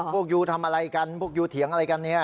ยูทำอะไรกันพวกยูเถียงอะไรกันเนี่ย